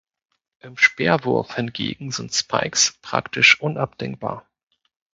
Im Speerwurf hingegen sind Spikes praktisch unabdingbar.